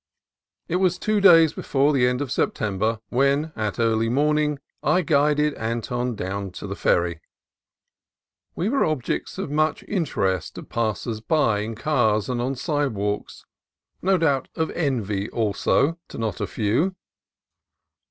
It was two days before the end of September when at early morning I guided Anton down to the ferry. We were objects of much interest to passers by in cars and on sidewalks ; no doubt of envy also to not a few.